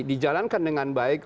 di jalankan dengan baik